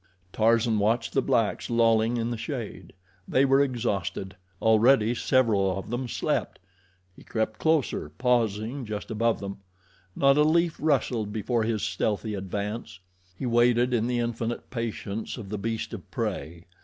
Tarzan watched the blacks lolling in the shade. They were exhausted. Already several of them slept. He crept closer, pausing just above them. Not a leaf rustled before his stealthy advance. He waited in the infinite patience of the beast of prey.